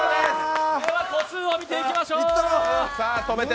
個数を見ていきましょう。